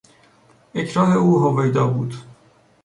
اکراه او هویدا بود.